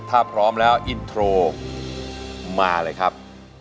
ถ้าพร้อมแล้วอินโทรมาเลยครับ